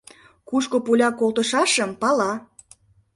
Кушко пуля колтышашым пала.